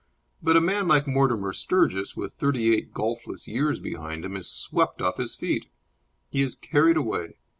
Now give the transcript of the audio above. But a man like Mortimer Sturgis, with thirty eight golfless years behind him, is swept off his feet. He is carried away.